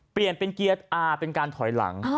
เปลี่ยนเป็นเกียรติอาร์เป็นการถอยหลัง